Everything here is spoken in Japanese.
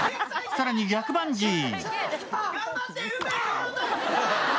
更に逆バンジー。